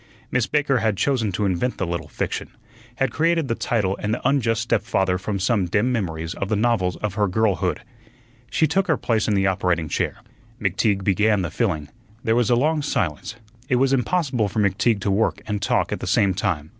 Miss Baker had chosen to invent the little fiction, had created the title and the unjust stepfather from some dim memories of the novels of her girlhood. She took her place in the operating chair. McTeague began the filling. There was a long silence. It was impossible for McTeague to work and talk at the same time.